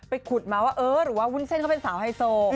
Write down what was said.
ขุดมาว่าเออหรือว่าวุ้นเส้นเขาเป็นสาวไฮโซ